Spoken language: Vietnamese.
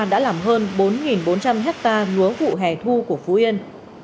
đã làm hơn bốn bốn trăm linh hecta lúa vụ hẻ thu của phú yên